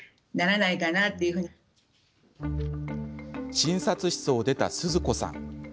診察室を出た、すずこさん。